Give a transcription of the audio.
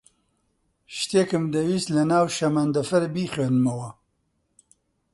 شتێکم دەویست لەناو شەمەندەفەر بیخوێنمەوە.